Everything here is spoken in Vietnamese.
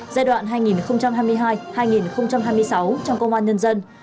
giai đoạn hai nghìn hai mươi hai hai nghìn hai mươi sáu trong công an nhân dân